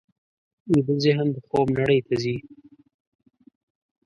ویده ذهن د خوب نړۍ ته ځي